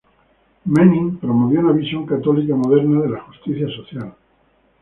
Manning promovió una visión católica moderna de la justicia social.